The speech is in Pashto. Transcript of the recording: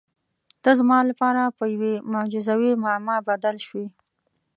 ته زما لپاره په یوې معجزوي معما بدل شوې.